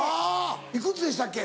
幾つでしたっけ？